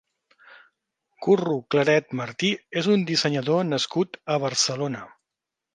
Curro Claret Martí és un dissenyador nascut a Barcelona.